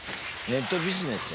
ネットビジネス？